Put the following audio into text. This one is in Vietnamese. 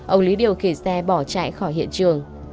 ông lý điều khiển xe bỏ chạy khỏi hiện trường